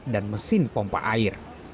dan mesin pompa air